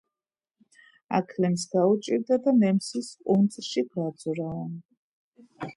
აქლემს გაუჭირდა და ნემსის ყუნწში გაძვრაო